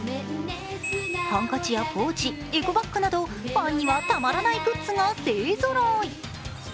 ハンカチやポーチ、エコバッグなどファンにはたまらないグッズが勢ぞろい。